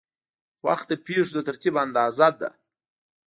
وخت د پېښو د ترتیب اندازه ده.